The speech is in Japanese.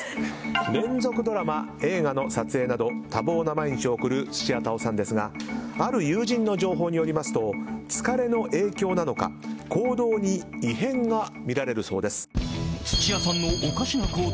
連続ドラマ映画の撮影など多忙な毎日を送る土屋太鳳さんですがある友人の情報によりますと疲れの影響なのか行動に異変がみられるそうです。